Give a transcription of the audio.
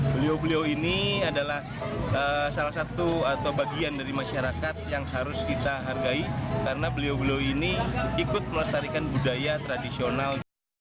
beliau beliau ini adalah salah satu atau bagian dari masyarakat yang harus kita hargai karena beliau beliau ini ikut melestarikan budaya tradisional